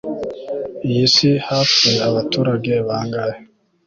iyisi hapfuye abaturage bangahe